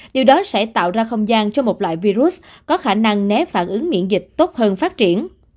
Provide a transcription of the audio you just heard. điều đó sẽ tạo ra không gian cho một loại virus có khả năng né phản ứng miễn dịch tốt hơn phát triển